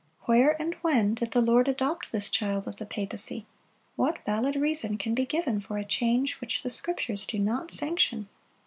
Where and when did the Lord adopt this child of the papacy? What valid reason can be given for a change which the Scriptures do not sanction?